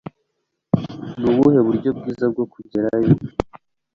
Nubuhe buryo bwiza bwo kugerayo?